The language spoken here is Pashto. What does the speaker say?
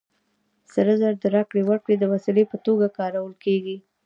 سره زر د راکړې ورکړې د وسیلې په توګه کارول کېږي